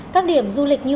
các điểm du lịch như